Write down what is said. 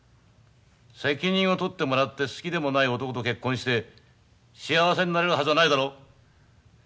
責任を取ってもらって好きでもない男と結婚して幸せになれるはずはないだろ。